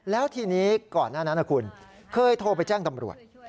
แล้วทีนี้ก่อนหน้านั้นนะคุณเคยโทรไปแจ้งตำรวจ